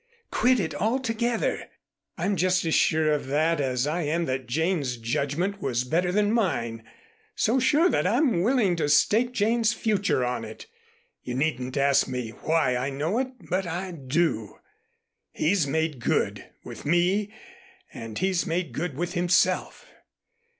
Quit it altogether. I'm just as sure of that as I am that Jane's judgment was better than mine, so sure that I'm willing to stake Jane's future on it. You needn't ask me why I know it, but I do. He's made good with me and he's made good with himself."